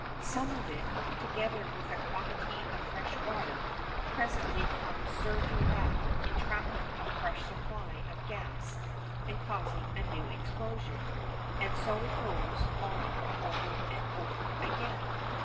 Some of it, together with a quantity of fresh water, presently comes surging back, entrapping a fresh supply of gas and causing a new explosion; and so it goes on over and over again.